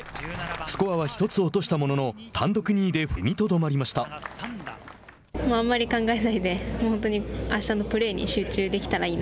スコアは１つ落としたものの単独２位で踏みとどまりました。